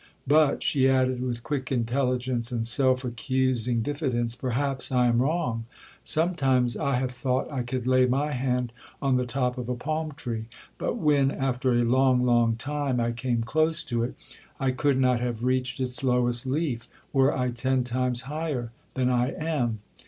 But,' she added with quick intelligence and self accusing diffidence, 'perhaps I am wrong. Sometimes I have thought I could lay my hand on the top of a palm tree, but when, after a long, long time, I came close to it, I could not have reached its lowest leaf were I ten times higher than I am.